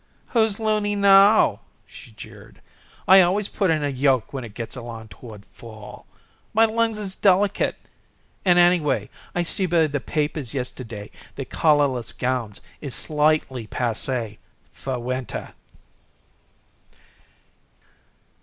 "Who's loony now?" she jeered. "I always put in a yoke when it gets along toward fall. My lungs is delicate. And anyway, I see by the papers yesterday that collarless gowns is slightly passay f'r winter."